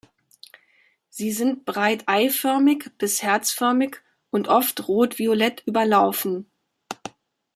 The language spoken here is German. Sie sind breit eiförmig bis herzförmig und oft rotviolett überlaufen.